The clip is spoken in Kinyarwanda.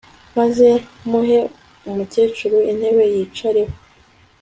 maze muhe umukecuru intebe yicareho